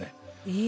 え？